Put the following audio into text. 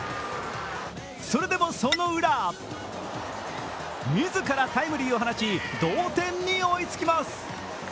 それでもそのウラ自らタイムリーを放ち、同点に追いつきます。